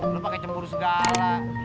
lo pake cemburu segala